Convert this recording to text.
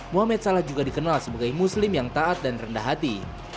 muhammad salah juga dikenal sebagai muslim yang taat dan rendah hati